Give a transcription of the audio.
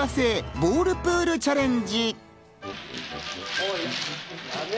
ボールプールチャレンジ！